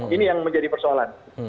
ini yang menjadi persoalan